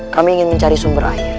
kami ingin mencari sumber air